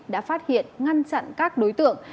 đã phát hiện ngăn chặn các đối tượng